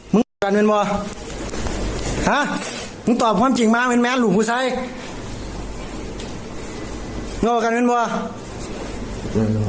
มึงฮะมึงตอบความจริงมากแมนแมนหลุมพูดใสง่วงกันเหมือนกันว่า